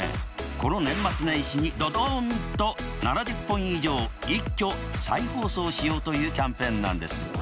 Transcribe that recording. この年末年始にどどんと７０本以上一挙再放送しようというキャンペーンなんです。